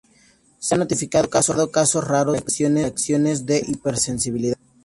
Se han notificado casos raros de reacciones de hipersensibilidad.